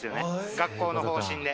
学校の方針で。